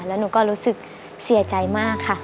แล้วหนูก็รู้สึกเสียใจมากค่ะ